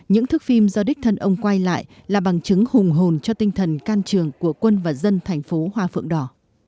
những thức phim do đích thân ông quay lại là bằng chứng hùng hồn cho tinh thần can trường của quân và dân thành phố hoa phượng đỏ